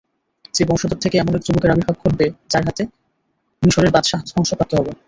যে বংশধর থেকে এমন এক যুবকের আবির্ভাব ঘটবে যার হাতে মিসরের বাদশাহ ধ্বংসপ্রাপ্ত হবে।